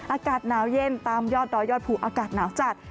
อากาศหนาวเย็นตามยอดดอยยอดภูอากาศหนาวจัด